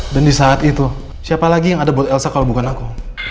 dan di saat itu siapa lagi yang ada buat elsa kalau bukan aku